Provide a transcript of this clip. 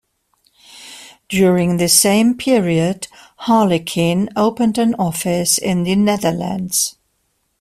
During this same period, Harlequin opened an office in the Netherlands.